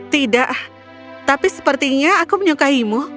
tidak tapi sepertinya aku menyukaimu